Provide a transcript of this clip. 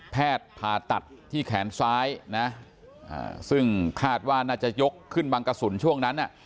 แพทย์ผ่าตัดที่แขนซ้ายนะซึ่งคาดว่าน่าจะยกขึ้นบังกระสุนช่วงนั้น